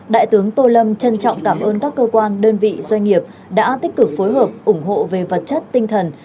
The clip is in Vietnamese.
đại tướng tô lâm trân trọng cảm ơn các cơ quan đơn vị doanh nghiệp đã tích cực phối hợp ủng hộ về vật chất tinh thần